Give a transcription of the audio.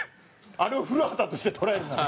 あれを『古畑』として捉えるなら。